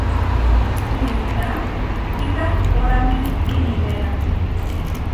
Kuitá kikahpórame iniméra.